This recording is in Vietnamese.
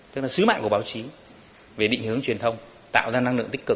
tức là sứ mạng của báo chí về định hướng truyền thông tạo ra năng lượng tích cực